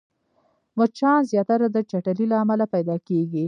مچان زياتره د چټلۍ له امله پيدا کېږي